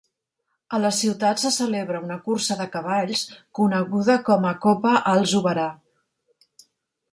A la ciutat se celebra una cursa de cavalls coneguda com a Copa Al Zubarah.